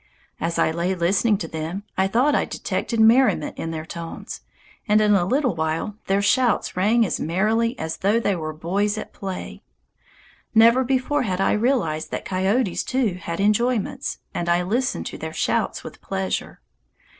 As I lay listening to them, I thought I detected merriment in their tones, and in a little while their shouts rang as merrily as though they were boys at play. Never before had I realized that coyotes too had enjoyments, and I listened to their shouts with pleasure.